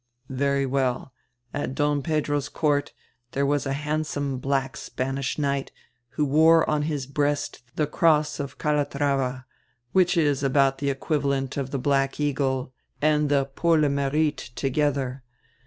"Very well. At Don Pedro's court there was a hand some black Spanish knight, who wore on his breast die cross of Calatrava, which is about die equivalent of the Black Eagle and die Pour le Merite together.